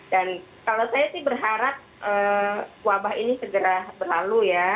dan kalau saya sih berharap wabah ini segera berlalu ya